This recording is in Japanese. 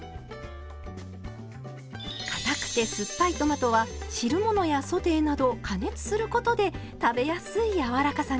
かたくて酸っぱいトマトは汁物やソテーなど加熱することで食べやすいやわらかさに。